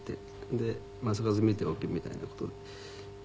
で「正和見ておけ」みたいな事で。